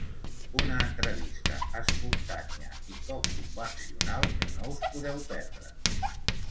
Una entrevista espontània i poc convencional que no us podeu perdre.